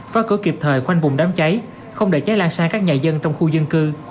phá cửa kịp thời khoanh vùng đám cháy không để cháy lan sang các nhà dân trong khu dân cư